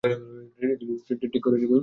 ঠিক ধরেছ, কুইন।